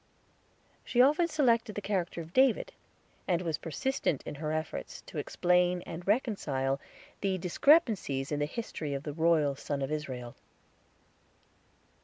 She often selected the character of David, and was persistent in her efforts to explain and reconcile the discrepancies in the history of the royal Son of Israel.